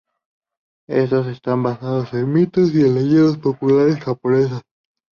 Estos están basados en mitos y leyendas populares japonesas.